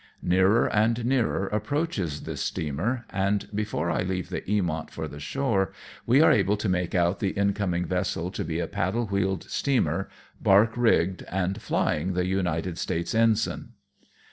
Nearer and nearer approaches this steamer, and before I leave the JSamont for the shore, we are able to make out the incoming vessel to be a paddle wheeled steamer, barque rigged, and flying the United States ensign.